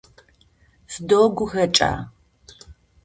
Сыдэу гухэкӀа!